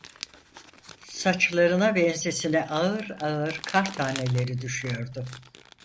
Saçlarına ve ensesine ağır ağır kar taneleri düşüyordu.